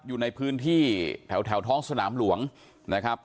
อยู่ในพื้นที่แถวท้องสนามหลวงนะครับ